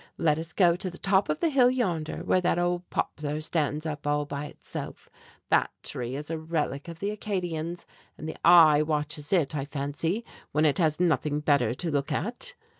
Let us go to the top of the hill yonder, where that old poplar stands up all by itself. That tree is a relic of the Acadians, and the 'Eye' watches it, I fancy, when it has nothing better to look at!"